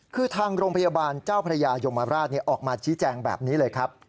คือทางโรงพยาบาลเจ้าพระยายมราชออกมาชี้แจงแบบนี้เลยครับ